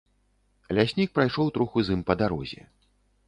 Ляснік прайшоў троху з ім па дарозе.